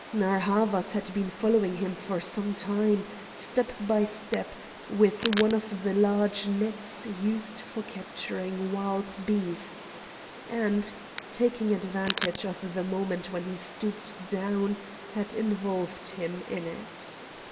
Narr' Havas had been following him for some time, step by step, with one of the large nets used for capturing wild beasts, and, taking advantage of the moment when he stooped down, had involved him in it.